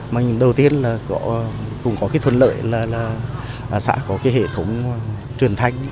mà đầu tiên là cũng có thuận lợi là xã có hệ thống truyền thanh